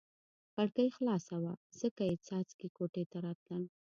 کړکۍ خلاصه وه ځکه یې څاڅکي کوټې ته راتلل.